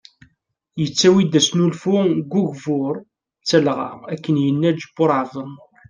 Tettawi-d asnulfu deg ugbur d talɣa ,akken yenna Ǧebur Ɛebdnur.